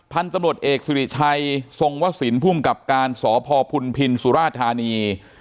พันธุ์ตำรวจเอกสิริชัยทรงวสินภูมิกับการสพพุนพินสุราธานี